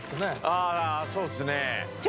ああそうっすね。